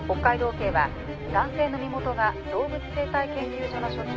警は男性の身元が動物生態研究所の所長